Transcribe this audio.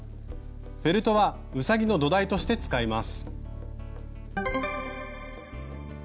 フェルトはうさぎの土台として使います。